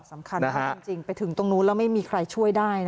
สำคัญมากจริงไปถึงตรงนู้นแล้วไม่มีใครช่วยได้